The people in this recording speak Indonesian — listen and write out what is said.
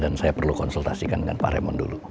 dan saya perlu konsultasikan dengan pak raymond dulu